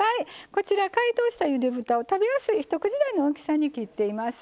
こちら解凍したゆで豚を食べやすい一口大の大きさに切っています。